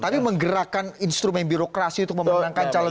tapi menggerakkan instrumen birokrasi untuk memenangkan calon presiden